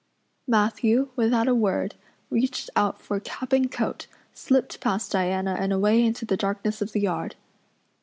Matthew, without a word, reached out for cap and coat, slipped past Diana and away into the darkness of the yard.